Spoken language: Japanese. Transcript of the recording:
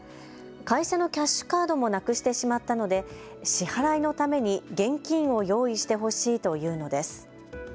会社のキャッシュカードもなくしてしまったので支払いのために現金を用意してほしいと言うのです。